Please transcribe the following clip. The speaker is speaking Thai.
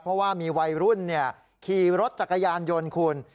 เพราะว่ามีวัยรุ่นขี่รถจักรยานยนต์คุณ